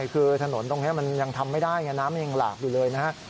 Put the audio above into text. คือถนนตรงนี้มันยังทำไม่ได้ไงน้ำยังหลากอยู่เลยนะฮะ